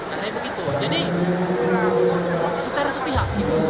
katanya begitu jadi secara setihak